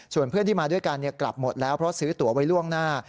ส่วนเพื่อนที่มาด้วยกันกลับหมดแล้วเพราะซื้อตัวไว้ล่วงหน้า